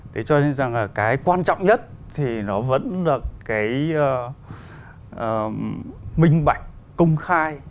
thế cho nên rằng là cái quan trọng nhất thì nó vẫn là cái minh bạch công khai